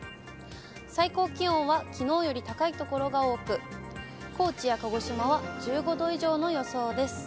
最高気温はきのうより高い所が多く、高知や鹿児島は１５度以上の予想です。